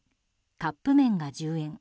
カップ麺が１０円